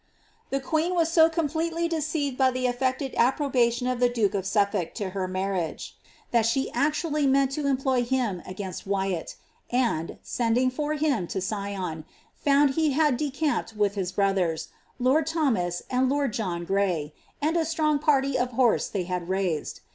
The queen was so completely deceived by the affected approbation of the duke of Suffolk to her marriage, that she actually meant to emplov him against Wyatt, and, sending for him to Sion,* found he had decaxped with his brothers, lord Thomas and lord John Gray, and a strong partv of horse they liad raised.